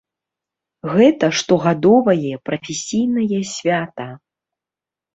Гэта штогадовае прафесійнае свята.